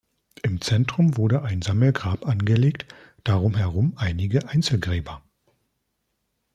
Im Zentrum wurde ein Sammelgrab angelegt, darum herum einige Einzelgräber.